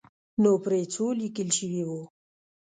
نو پرې ځو لیکل شوي وو.